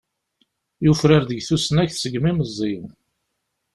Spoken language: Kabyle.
Yufrar-d deg tusnakt segmi meẓẓi.